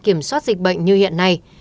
kiểm soát dịch bệnh như hiện nay